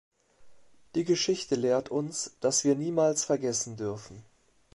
Die Geschichte lehrt uns, dass wir niemals vergessen dürfen.